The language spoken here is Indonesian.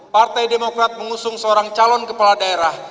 partai demokrat mengusung seorang calon kepala daerah